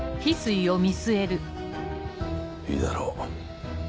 いいだろう。